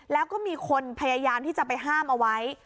แล้วก็มีคนพยายามที่จะไปห้ามเอาไว้